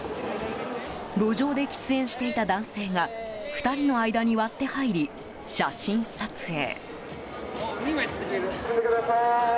路上で喫煙していた男性が２人の間に割って入り写真撮影。